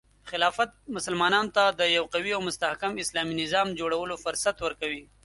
خلافت مسلمانانو ته د یو قوي او مستحکم اسلامي نظام جوړولو فرصت ورکوي.